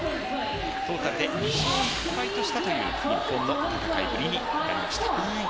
トータルで２勝１敗とした日本の戦いぶりになりました。